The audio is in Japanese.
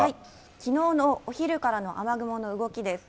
きのうのお昼からの雨雲の動きです。